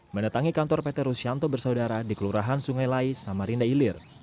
mendatangi kantor pt rusianto bersaudara di kelurahan sungai lai samarinda ilir